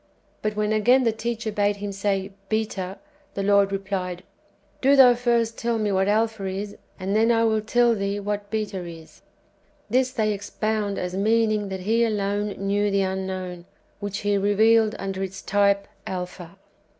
But when, again, the teacher bade Him say, " Beta," the Lord replied, " Do thou first tell me what Alpha is, and then I will tell thee what Beta is." This they ex pound as meaning that He alone knew the Unknown, which He revealed under its type Alpha.